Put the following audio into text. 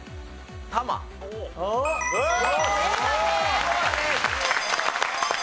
正解です！